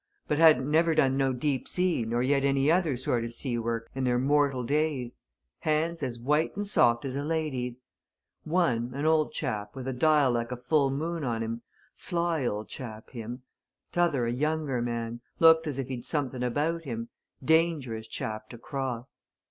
But hadn't never done no deep sea nor yet any other sort o' sea work in their mortial days hands as white and soft as a lady's. One, an old chap with a dial like a full moon on him sly old chap, him! T'other a younger man, looked as if he'd something about him dangerous chap to cross.